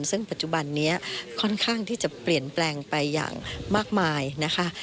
ซึ่งปัจจุบันนี้ค่อนข้างที่จะเปลี่ยนแปลงไปอย่างมากมายนะคะ